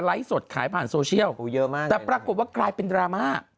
ไลค์สดขายผ่านโซเชียลแต่ปรากฏว่ากลายเป็นดราม่า